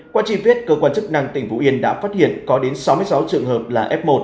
qua trì viết cơ quan chức năng tp hcm đã phát hiện có đến sáu mươi sáu trường hợp là f một